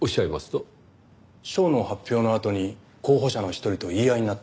賞の発表のあとに候補者の一人と言い合いになって。